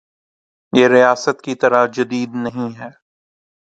یہ ریاست کی طرح جدید نہیں ہے۔